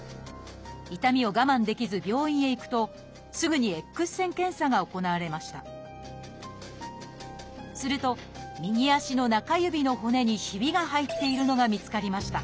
痛みを我慢できず病院へ行くとすぐにＸ線検査が行われましたすると右足の中指の骨にひびが入っているのが見つかりました。